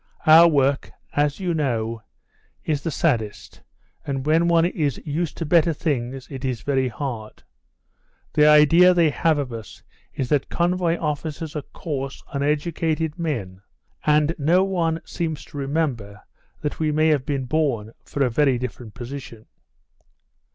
Our work, as you know, is the saddest, and when one is used to better things it is very hard. The idea they have of us is that convoy officers are coarse, uneducated men, and no one seems to remember that we may have been born for a very different position."